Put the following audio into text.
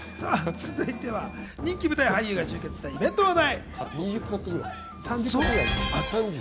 続いては人気舞台俳優が集結したイベントの話題。